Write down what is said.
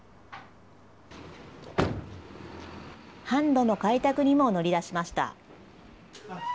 販路の開拓にも乗り出しました。